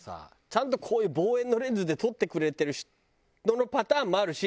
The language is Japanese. ちゃんとこういう望遠のレンズで撮ってくれてる人のパターンもあるし